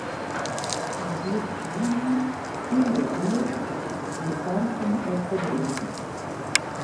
Hja die de klean oan, kjimde it hier, die parfum efter de earen.